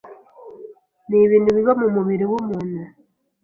nibintu biba mu mubiri w’umuntu